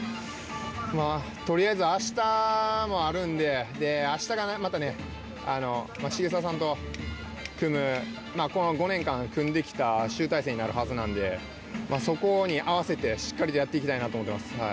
とりあえず明日もあるんで、重定さんと組む、この５年間組んできた集大成になるはずなので、そこに合わせて、しっかりとやっていきたいなと思ってます。